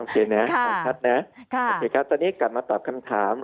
ตอนนี้กลับมาตอบคำถาม